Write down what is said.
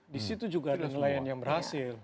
disitu juga ada nelayan yang berhasil